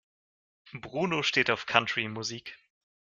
Bruno steht auf Country-Musik.